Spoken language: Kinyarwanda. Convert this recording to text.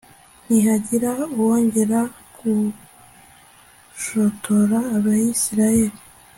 ntihagira uwongera gushotora abayisraheli